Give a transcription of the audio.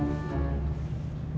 berita yang ditulis selfie ma